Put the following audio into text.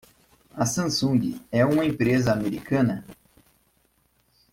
A Samsung é uma empresa americana?